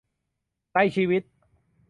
ในชีวิต